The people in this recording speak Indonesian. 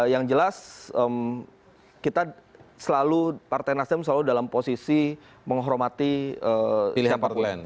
yang jelas kita selalu partai nasdem selalu dalam posisi menghormati pilihan parlemen